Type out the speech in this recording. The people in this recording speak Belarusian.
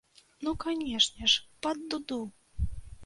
Ну, канешне ж, пад дуду!